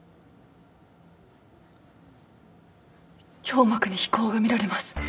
胸膜に肥厚が見られます。